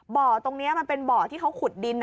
บ่อตรงนี้มันเป็นบ่อที่เขาขุดดิน